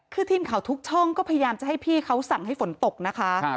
คือทีมข่าวทุกช่องก็พยายามจะให้พี่เขาสั่งให้ฝนตกนะคะ